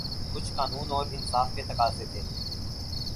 کچھ قانون اور انصاف کے تقاضے تھے۔